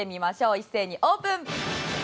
一斉にオープン。